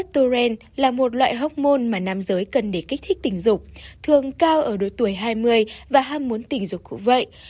turen là một loại hóc môn mà nam giới cần để kích thích tình dục thường cao ở độ tuổi hai mươi và ham muốn tình dục cũng vậy